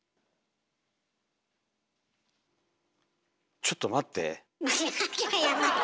ちょっと待って。